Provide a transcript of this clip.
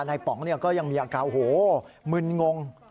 นายป๋องก็ยังมีอากาศโหมึนงง